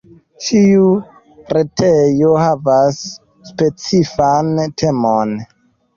Ĉiu retejo havas specifan temon.